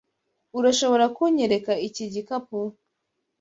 Urashobora kunyereka iki gikapu?